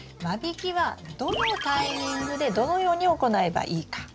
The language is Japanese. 間引きはどのタイミングでどのように行えばいいか。